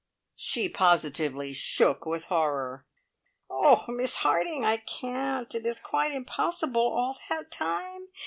She positively shook with horror. "Oh, Miss Harding, I can't. It is quite impossible! All that time?